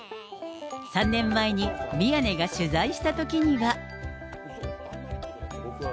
３年前に宮根が取材したときには。